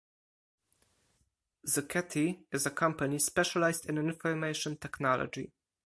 Zucchetti is a company specialized in Information Technology.